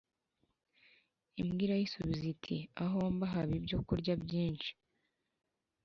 imbwa irayisubiza iti « aho mba haba ibyo kurya byinshi,